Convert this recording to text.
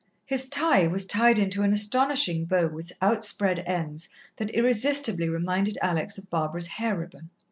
His tie was tied into an astonishing bow with out spread ends that irresistibly reminded Alex of Barbara's hair ribbon.